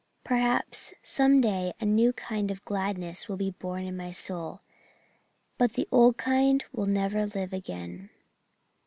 Perhaps some day a new kind of gladness will be born in my soul but the old kind will never live again.